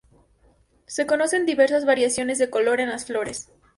Se conocen diversas variaciones de color en las flores.